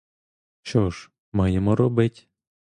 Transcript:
Що ж маємо робить!